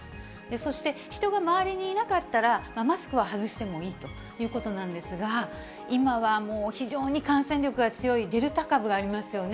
そして人が周りにいなかったら、マスクは外してもいいということなんですが、今はもう非常に感染力が強いデルタ株がありますよね。